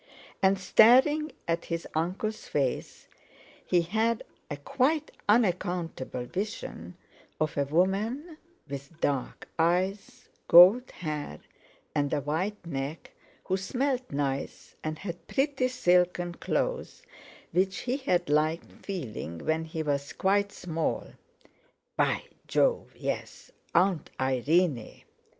And, staring at his uncle's face, he had a quite unaccountable vision of a woman with dark eyes, gold hair, and a white neck, who smelt nice, and had pretty silken clothes which he had liked feeling when he was quite small. By Jove, yes! Aunt Irene!